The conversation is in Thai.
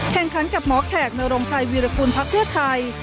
แข่งขันกับหมอแขกเนอรงชัยวิรคุณพักเลือดไทย